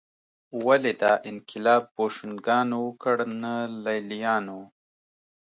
ولې دا انقلاب بوشونګانو وکړ نه لېلیانو